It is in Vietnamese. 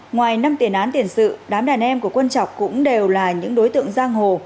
ngoài năm tiền án tiền sự đám đàn em của quân chọc cũng đều là những đối tượng giang hồ